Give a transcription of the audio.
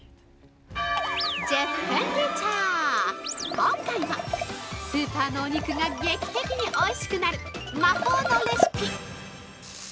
◆１０分ティーチャー今回は、スーパーのお肉が劇的においしくなる魔法のレシピ！